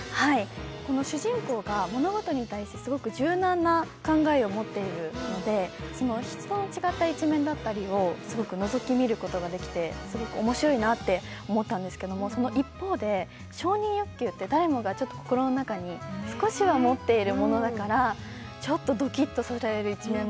この主人公が物事に対してすごく柔軟な考えを持っているので、人の違った一面だったりをのぞき見ることができてすごく面白いなって思ったんですけれどもその一方で承認欲求って誰もが心の中に少しは持っている。